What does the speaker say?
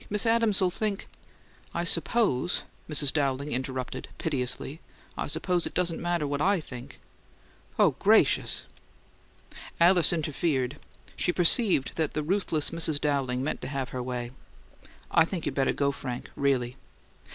Miss Adams'll think " "I suppose," Mrs. Dowling interrupted, piteously, "I suppose it doesn't matter what I think!" "Oh, gracious!" Alice interfered; she perceived that the ruthless Mrs. Dowling meant to have her way. "I think you'd better go, Frank. Really."